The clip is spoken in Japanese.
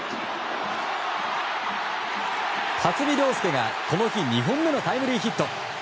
辰己涼介が、この日２本目のタイムリーヒット。